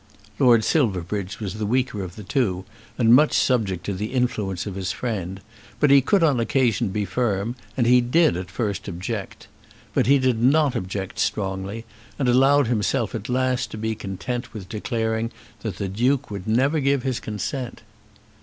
Lord Silverbridge was the weaker of the two, and much subject to the influence of his friend; but he could on occasion be firm, and he did at first object. But he did not object strongly, and allowed himself at last to be content with declaring that the Duke would never give his consent.